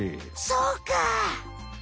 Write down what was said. そうか！